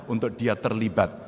untuk dia terlibat